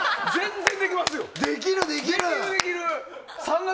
全然できますよ！